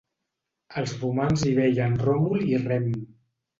Els romans hi veien Ròmul i Rem.